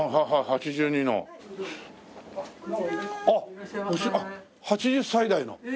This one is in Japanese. あっ８０歳代の。